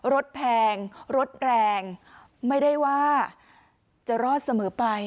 แพงรถแรงไม่ได้ว่าจะรอดเสมอไป